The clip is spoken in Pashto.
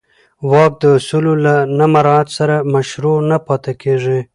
واک د اصولو له نه مراعت سره مشروع نه پاتې کېږي.